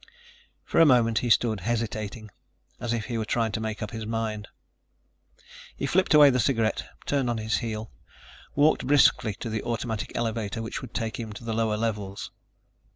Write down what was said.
For a moment he stood, hesitating, as if he were trying to make up his mind. He flipped away the cigarette, turned on his heel, walked briskly to the automatic elevator which would take him to the lower levels.